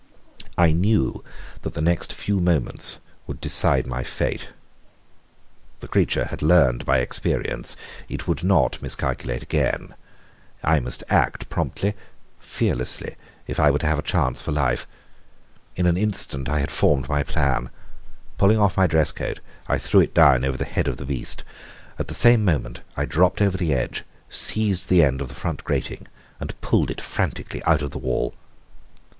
I knew that the next few moments would decide my fate. The creature had learned by experience. It would not miscalculate again. I must act promptly, fearlessly, if I were to have a chance for life. In an instant I had formed my plan. Pulling off my dress coat, I threw it down over the head of the beast. At the same moment I dropped over the edge, seized the end of the front grating, and pulled it frantically out of the wall.